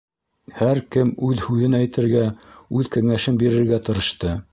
Һәр кем үҙ һүҙен әйтергә, үҙ кәңәшен бирергә тырышты.